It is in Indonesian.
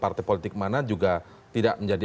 partai politik mana juga tidak menjadi